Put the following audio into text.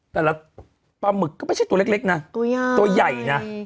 แต่ละปลาหมึกก็ไม่ใช่ตัวเล็กนะตัวใหญ่ตัวใหญ่นะ